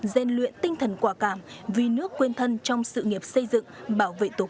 gian luyện tinh thần quả cảm vì nước quên thân trong sự nghiệp xây dựng bảo vệ tổ quốc